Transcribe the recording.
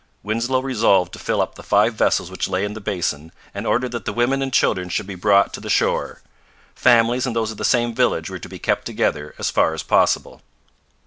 Winslow resolved to fill up the five vessels which lay in the basin, and ordered that the women and children should be brought to the shore. Families and those of the same village were to be kept together, as far as possible.